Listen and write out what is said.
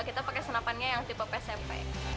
kita pakai senapannya yang tipe psmp